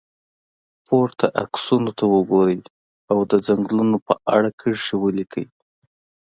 پورته عکسونو ته وګورئ او د څنګلونو په اړه کرښې ولیکئ.